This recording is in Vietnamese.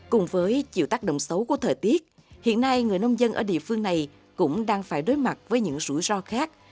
cùng với chịu tác động xấu của thời tiết hiện nay người nông dân ở địa phương này cũng đang phải đối mặt với những rủi ro khác